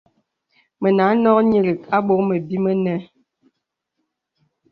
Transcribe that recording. Mə anɔk nyìrìk a bɔk məbì mənə.